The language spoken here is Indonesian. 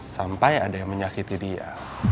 sampai ada yang menyakiti dia